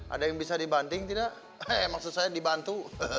ada yang bisa dibanting tidak maksud saya dibantu